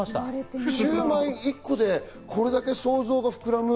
シウマイ１個でこれだけ想像が膨らむ。